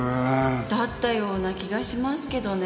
だったような気がしますけどね。